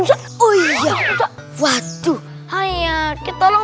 ganhar itulah wapi tenang